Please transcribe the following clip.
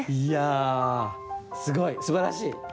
いやすごいすばらしい。